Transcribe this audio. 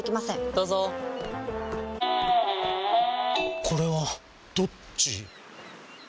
どうぞこれはどっち？